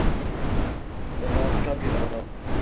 O harika bir adam.